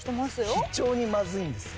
非常にまずいんですよ。